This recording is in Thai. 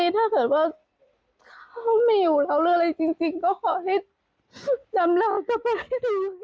อยากให้ถ้าเกิดว่าเขาไม่อยู่แล้วหรืออะไรจริงก็ขอให้นำร่างกลับไป